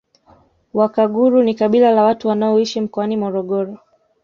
Wakaguru ni kabila la watu wanaoishi mkoani Morogoro